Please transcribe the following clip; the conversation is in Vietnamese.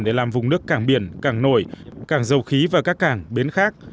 để làm vùng nước cảng biển cảng nổi cảng dầu khí và các cảng bến khác